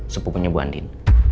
sepupunya bu andin